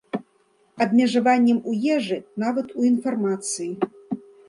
Абмежаваннем у ежы, нават у інфармацыі.